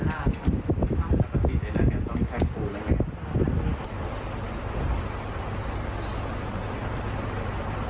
ครับแล้วปัจจีนในนั้นเนี่ยต้องแค่โหลดแหละเนี่ย